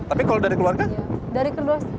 tapi kalau dari keluarga